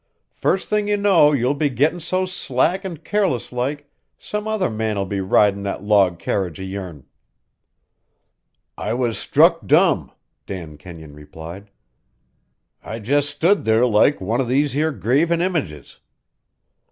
First thing you know, you'll be gettin' so slack an' careless like some other man'll be ridin' that log carriage o' yourn." "I was struck dumb," Dan Kenyon replied. "I just stood there like one o' these here graven images.